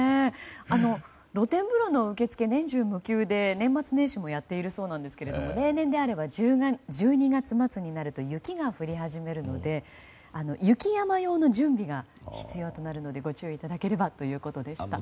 露天風呂の受付は年中無休で年末年始もやっているそうなんですけど例年であれば１２月末になると雪が降り始めるので雪山用の準備が必要となるのでご注意いただければということでした。